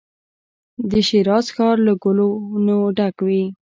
د شیراز ښار له ګلو نو ډک وي.